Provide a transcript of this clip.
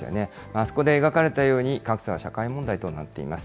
あそこで描かれたように、格差は社会問題となっています。